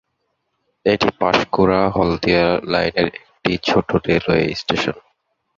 এটি পাঁশকুড়া-হলদিয়া লাইনের একটি ছোট রেলওয়ে স্টেশন।